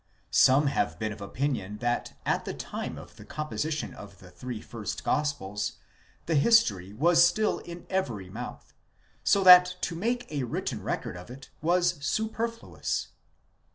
Some have been of opinion that at the time of the composition of the three first gospels, the history was still in every mouth, so that to make a written record of it was superfluous ;*!